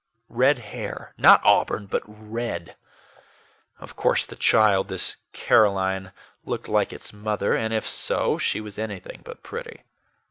Red hair, not auburn, but RED of course the child, this Caroline, looked like its mother, and, if so, she was anything but pretty.